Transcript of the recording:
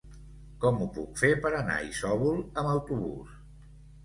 Com ho puc fer per anar a Isòvol amb autobús?